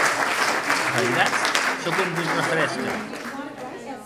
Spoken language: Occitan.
Veiratz se com vos refresque.